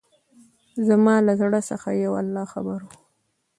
زما له زړه څخه يو الله خبر وو.